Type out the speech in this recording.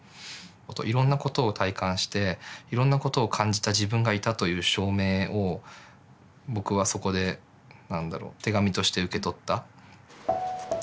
いろんなことを体感していろんなことを感じた自分がいたという証明を僕はそこで何だろう手紙として受け取った。